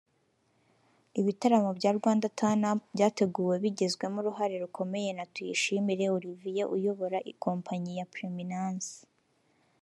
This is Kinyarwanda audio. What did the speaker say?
Ibitaramo bya ‘Rwanda Turn Up’ byateguwe bigizwemo uruhare rukomeye na Tuyishimire Olivier uyobora ikompanyi ya Preeminence